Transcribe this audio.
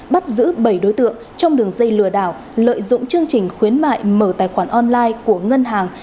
bắt giữ bảy đối tượng trong đường dây lừa đảo lợi dụng chương trình khuyến mại mở tài khoản online của ngân hàng